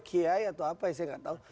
kiai atau apa ya saya enggak tahu